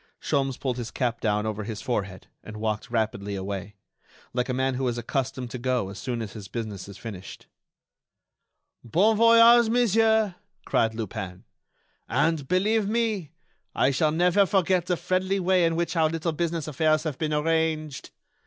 Sholmes pulled his cap down over his forehead and walked rapidly away, like a man who is accustomed to go as soon as his business is finished. "Bon voyage, monsieur," cried Lupin, "and, believe me, I shall never forget the friendly way in which our little business affairs have been arranged.